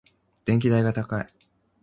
電気代が高い。